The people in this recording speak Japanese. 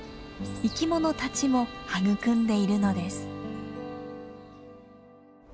生きものたちも育んでいるのです。